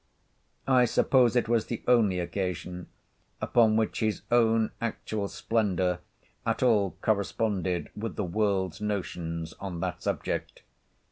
I suppose it was the only occasion, upon which his own actual splendour at all corresponded with the world's notions on that subject.